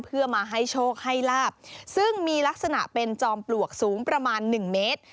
เพื่อมาให้โชคให้ลาบซึ่งมีลักษณะเป็นจอมปลวกสูงประมาณหนึ่งเมตร